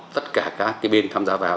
tất cả các cái bên tham gia vào